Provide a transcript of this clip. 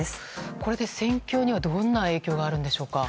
これで戦況にはどんな影響があるんでしょうか。